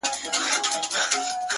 • دغه جلال او دا جمال د زلفو مه راوله؛